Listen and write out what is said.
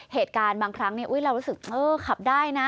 เหตุการณ์บางครั้งเรารู้สึกขับได้นะ